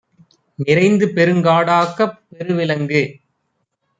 நிறைந்துபெருங் காடாக்கப், பெருவி லங்கு